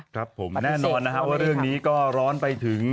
ครับผมแน่นอนนะครับว่าเรื่องนี้ก็ร้อนไปถึง